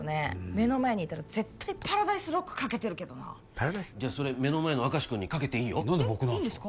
目の前にいたら絶対パラダイスロックかけてるけどな目の前の明石君にかけていいよ何で僕なんすか？